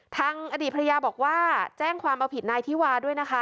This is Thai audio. ทางอดีตภรรยาบอกว่าแจ้งความเอาผิดนายธิวาด้วยนะคะ